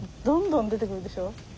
どんどん出てくるでしょ？